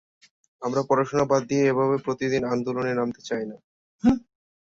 আমরা পড়াশোনা বাদ দিয়ে এভাবে প্রতিদিন আন্দোলনে নামতে চাই না।